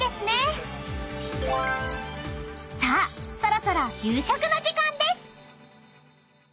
［さあそろそろ夕食の時間です］